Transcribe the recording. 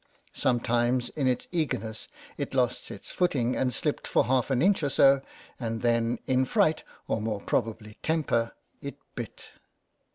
Sometimes in its eagerness it lost its footing and slipped for half an inch or so; and then, in fright, or more probably temper, it bit.